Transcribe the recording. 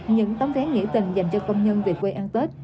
những tấm vé nghĩa tình dành cho công nhân về quê ăn tết